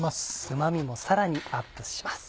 うま味もさらにアップします。